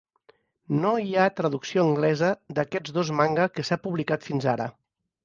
No hi ha traducció anglesa d'aquests dos manga que s'ha publicat fins ara.